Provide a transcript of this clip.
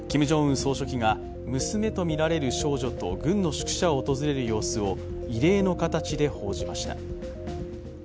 総書記が娘とみられる少女と軍の宿舎を訪れる様子を異例の形で報じました。